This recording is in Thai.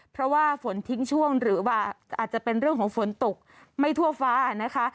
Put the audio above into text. เพราะว่าฝนทิ้งช่วงหรือว่าอาจจะเป็นเรื่องของฝนตกไม่ทั่วฟ้านะคะ